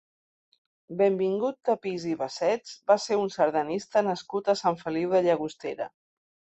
Benvingut Tapis i Bassets va ser un sardanista nascut a Sant Feliu de Llagostera.